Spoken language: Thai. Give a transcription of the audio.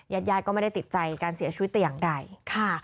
ยาดก็ไม่ได้ติดใจการเสียชีวิตอย่างใดค่ะ